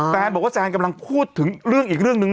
แฟนบอกว่าแซนกำลังพูดถึงเรื่องอีกเรื่องหนึ่ง